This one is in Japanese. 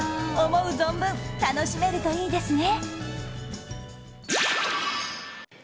思う存分、楽しめるといいですね。